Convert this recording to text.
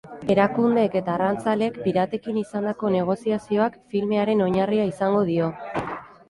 Erakundeek eta arrantzaleek piratekin izandako negoziazioak filmearen oinarria izango dio.